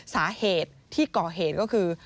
สาเหตุที่ก่อเหตุก็คือ